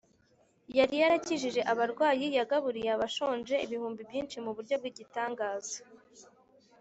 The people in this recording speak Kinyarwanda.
yari yarakijije abarwayi, yagaburiye abashonje ibihumbi byinshi mu buryo bw’igitangaza